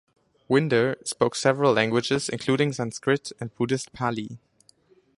Winder spoke several languages including Sanskrit and Buddhist Pali.